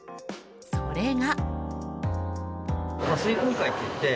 それが。